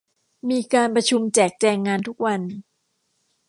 มีการประชุมแจกแจงงานทุกวัน